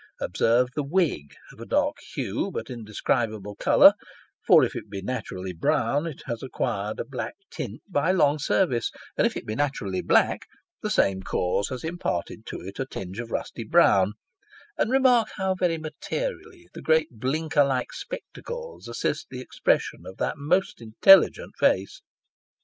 Observe the wig, of a dark hue but indescribable colour, for if it be naturally brown, it has acquired a black tint by long service, and if it be naturally black, the same cause has imparted to it a tinge of rusty brown ; and remark how very materially the great blinker like spectacles assist the expression of that most intelligent face.